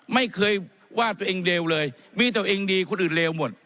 ไม่เคยว่าตัวเองเลวเลยมีตัวเองดีคนอื่นเลวหมด